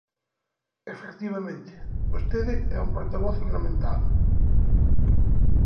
Efectivamente, vostede é un portavoz ornamental.